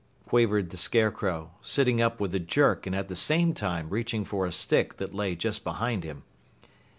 quavered the Scarecrow, sitting up with a jerk and at the same time reaching for a stick that lay just behind him.